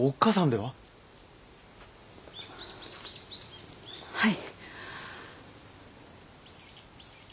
はい。